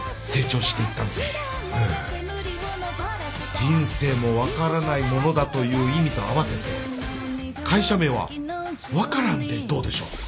人生も分からないものだという意味と合わせて会社名はワカランでどうでしょう？